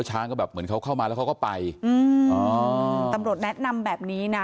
ช้างก็แบบเหมือนเขาเข้ามาแล้วเขาก็ไปอืมอ๋อตำรวจแนะนำแบบนี้นะ